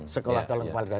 sekolah calon kewaliga